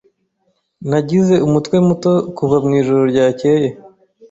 Nagize umutwe muto kuva mwijoro ryakeye.